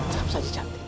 tetap saja cantik